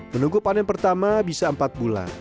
menunggu panen pertama bisa empat bulan